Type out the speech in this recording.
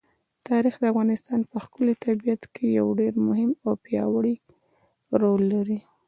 تاریخ د افغانستان په ښکلي طبیعت کې یو ډېر مهم او پیاوړی رول لري.